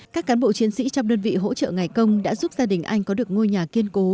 các cán bộ chiến sĩ trong đơn vị hỗ trợ ngày công đã giúp gia đình anh có được ngôi nhà kiên cố